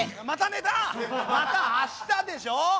「またあした」でしょう。